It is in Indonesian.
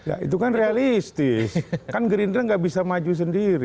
ya itu kan realistis kan gerindra nggak bisa maju sendiri